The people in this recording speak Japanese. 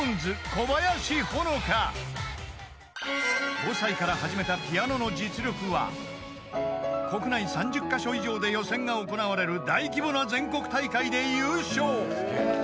［５歳から始めたピアノの実力は国内３０カ所以上で予選が行われる大規模な全国大会で優勝］